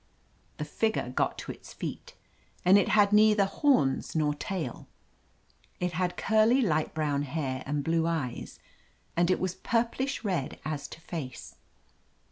The figure got to its feet, and it had neither horns nor tail. It had curly, light brown hair and blue eyes, and it was purplish red as to face.